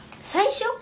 最初？